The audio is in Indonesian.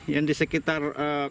yang di sekitar